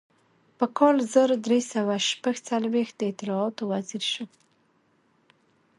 په کال زر درې سوه شپږ څلویښت د اطلاعاتو وزیر شو.